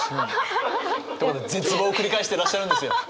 絶望を繰り返してらっしゃるんですよ。